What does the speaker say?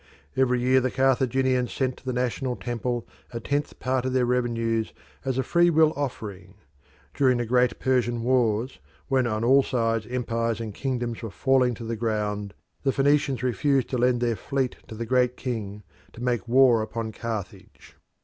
Every year the Carthaginians sent to the national temple a tenth part of their revenues as a free will offering. During the great Persian wars, when on all sides empires and kingdoms were falling to the ground, the Phoenicians refused to lend their fleet to the Great King to make war upon Carthage.